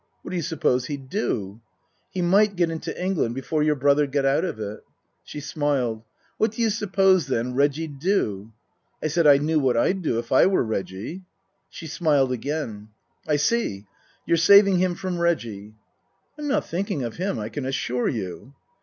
" What do you suppose he'd do ?"" He might get into England before your brother got out of it " She smiled. " What do you suppose, then, Reggie'd do?" I said I knew what I'd do if I were Reggie. She smiled again. " I see. You're saving him from Reggie." " I'm not thinking of him, I can assure you."